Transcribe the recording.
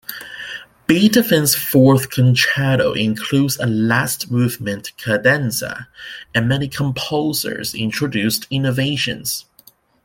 Beethoven's fourth concerto includes a last-movement cadenza, and many composers introduced innovations.